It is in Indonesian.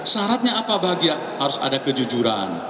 syaratnya apa bahagia harus ada kejujuran